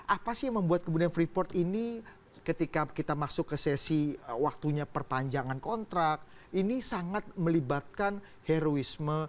apa sih yang membuat kemudian freeport ini ketika kita masuk ke sesi waktunya perpanjangan kontrak ini sangat melibatkan heroisme